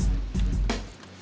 terima kasih terima kasih